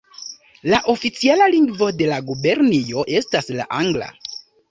La oficiala lingvo de la gubernio estas la angla.